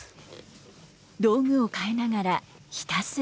道具を替えながらひたすら磨く。